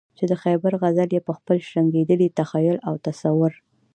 چې د خیبر غزل یې په خپل شرنګېدلي تخیل او تصور.